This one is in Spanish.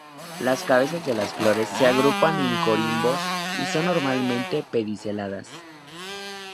Las cabezas de las flores se agrupan en corimbos y son normalmente pediceladas.